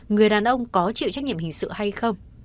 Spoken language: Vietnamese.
người đàn ông có chịu trách nhiệm hình sự hay không